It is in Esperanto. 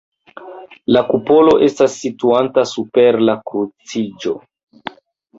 La kupolo estas situanta super la kruciĝo.